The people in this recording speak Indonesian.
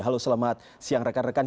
halo selamat siang rekan rekan